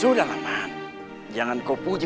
udah semangat lagi